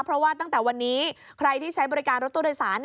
เพราะว่าตั้งแต่วันนี้ใครที่ใช้บริการรถตู้โดยสาร